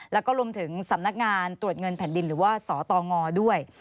แล้วก็รวมถึงสำนักงานตรวจเงินแผ่นดินหรือว่าสตงด้วย